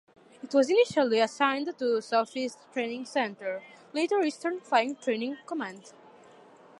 It was initially assigned to the Southeast Training Center (later Eastern Flying Training Command).